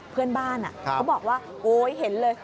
เพื่อนบ้านเขาบอกว่าโอ๊ยเห็นเลย